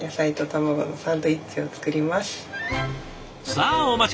さあお待ち